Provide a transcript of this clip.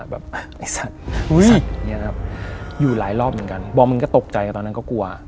แบบไอสัตว์อุ้ยอยู่หลายรอบเหมือนกันบอมมันก็ตกใจตอนนั้นก็กลัว